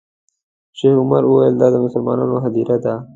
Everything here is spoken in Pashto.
شیخ عمر وویل دا د مسلمانانو هدیره ده.